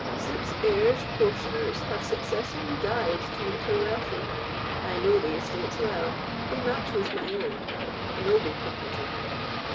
Six heirs portioners have successively died to make her wealthy. I know the estates well; they march with my own—a noble property."